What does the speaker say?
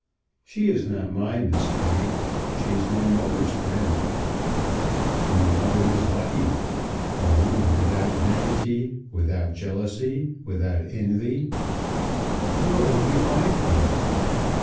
"She is not my Miss Fay. She is my mother's friend." "Your mother is lucky. A woman without vanity, without jealousy, without envy " "Where will you find one?"